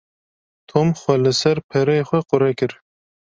Tom xwe li ser pereyê xwe qure kir.